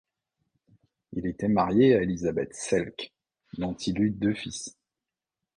Il était marié à Elisabeth Selck, dont il a eu deux fils.